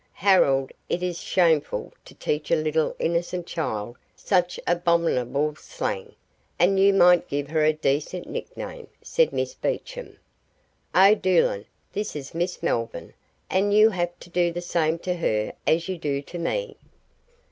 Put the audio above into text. "Harold, it is shameful to teach a little innocent child such abominable slang; and you might give her a decent nickname," said Miss Beecham. "O'Doolan, this is Miss Melvyn, and you have to do the same to her as you do to me."